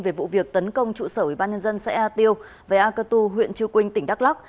về vụ việc tấn công trụ sở ubnd xã ea tiêu về akatu huyện chư quynh tỉnh đắk lắk